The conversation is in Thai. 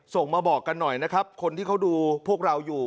ส่งมาบอกกันหน่อยนะครับคนที่เขาดูพวกเราอยู่